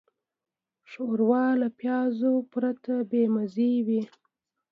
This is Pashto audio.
ښوروا له پیازو پرته بېمزه وي.